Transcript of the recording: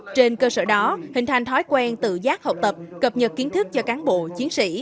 trên cơ sở đó hình thành thói quen tự giác học tập cập nhật kiến thức cho cán bộ chiến sĩ